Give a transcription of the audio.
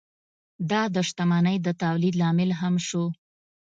دا د شتمنۍ د تولید لامل هم شو.